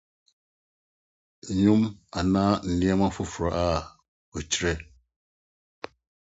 • Dwom anaa nneɛma foforo a wɔkyerɛ